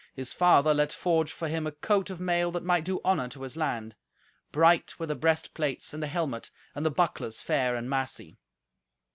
His father let forge for him a coat of mail that might do honour to his land. Bright were the breastplates and the helmet, and the bucklers fair and massy.